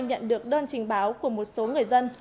nhận được đơn trình báo của một số người dân